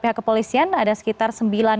pihak kepolisian ada sekitar